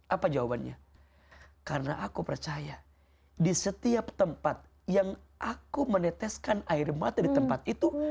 apa jawabannya karena aku percaya di setiap tempat yang aku meneteskan air mata di tempat itu